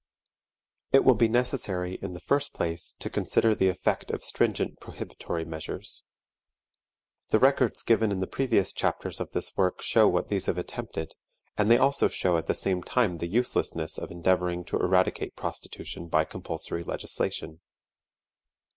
It will be necessary, in the first place, to consider the effect of stringent prohibitory measures. The records given in the previous chapters of this work show what these have attempted, and they also show at the same time the uselessness of endeavoring to eradicate prostitution by compulsory legislation.